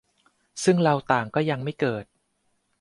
ซึ่งเราต่างก็ยังไม่เกิด